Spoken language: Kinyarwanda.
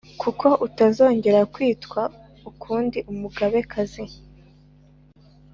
kuko utazongera kwitwa ukundi «umugabekazi».